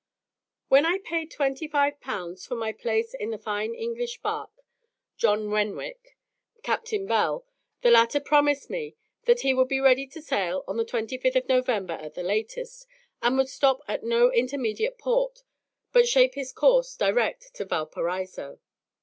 When I paid 25 pounds for my place in the fine English barque, "John Renwick," Captain Bell, the latter promised me that he would be ready to sail on the 25th of November at the latest, and would stop at no intermediate port, but shape his course direct to Valparaiso.